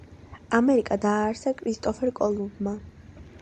ამერიკა დაარსა ქრისტოფორ კოლუმბმა.